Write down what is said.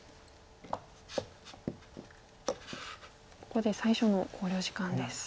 ここで最初の考慮時間です。